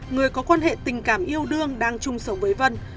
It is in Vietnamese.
người có quan hệ tình cảm yêu đương đang chung sống với vân